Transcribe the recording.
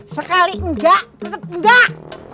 sekali enggak tetep enggak